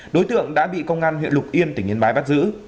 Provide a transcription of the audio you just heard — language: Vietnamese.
đối tượng đã bị công an huyện lục yên tỉnh yên bái bắt giữ